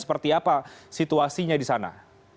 seperti apa situasinya di sana